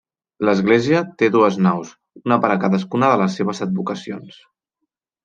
L'església té dues naus, una per a cadascuna de les seves advocacions.